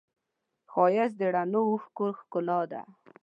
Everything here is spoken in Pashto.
ښایست د رڼو اوښکو ښکلا ده